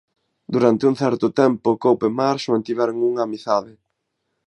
Durante un certo tempo Cope e Marsh mantiveron unha amizade.